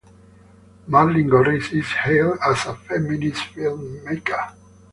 Marleen Gorris is hailed as a feminist filmmaker.